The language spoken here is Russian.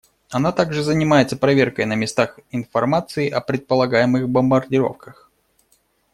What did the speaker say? Она также занимается проверкой на местах информации о предполагаемых бомбардировках.